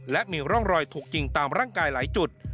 และมีร่องรอยถูกยิงตามร่างกายหลายจุด